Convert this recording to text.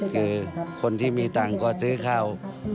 คือคนที่มีตังค์ก็ซื้อข้าว